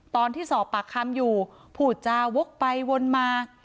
ตอนที่สอบปากคำอยู่ผู้จาวกไปวนมา